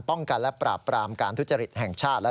ป้องกันและปราบปรามการทุจริตแห่งชาติ